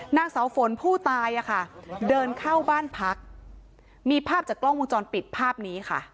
นางสาวฝนผู้ตายอ่ะค่ะเดินเข้าบ้านพักมีภาพจากกล้องวงจรปิดภาพนี้ค่ะ